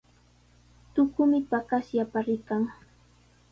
Tukumi paqaspalla rikan.